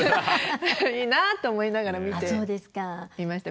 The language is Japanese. いいなって思いながら見ていました。